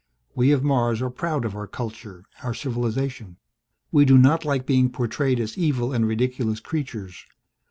We of Mars are proud of our culture, our civilization. We do not like being portrayed as evil and ridiculous creatures.